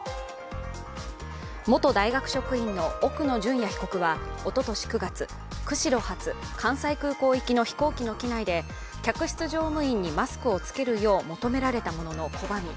元大学職員の奧野淳也被告はおととし９月、釧路ー関西空港行きの飛行機の機内で客室乗務員にマスクを着けるよう求められたものの拒み